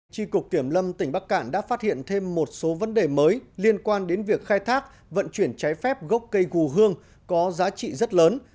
tri cục kiểm lâm tỉnh bắc cạn đã phát hiện thêm một số vấn đề mới liên quan đến việc khai thác vận chuyển trái phép gốc cây gù hương có giá trị rất lớn